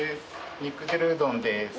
肉汁うどんです。